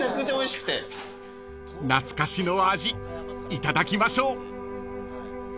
［懐かしの味いただきましょう］